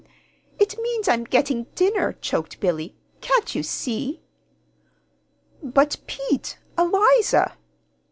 It means I'm getting dinner," choked Billy. "Can't you see?" "But Pete! Eliza!"